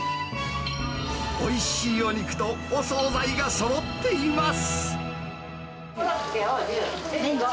おいしいお肉とお総菜がそろっています。